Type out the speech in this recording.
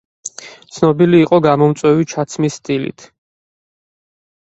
ცნობილი იყო გამომწვევი ჩაცმის სტილით.